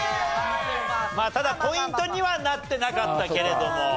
まあただポイントにはなってなかったけれども。